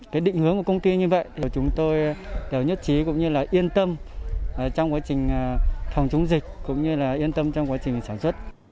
cái định hướng của công ty như vậy thì chúng tôi đều nhất trí cũng như là yên tâm trong quá trình phòng chống dịch cũng như là yên tâm trong quá trình sản xuất